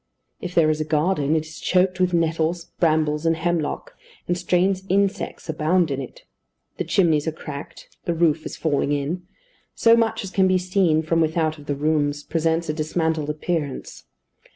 If there is a garden, it is choked with nettles, brambles, and hemlock, and strange insects abound in it. The chimneys are cracked, the roof is falling in; so much as can be seen from without of the rooms presents a dismantled appearance.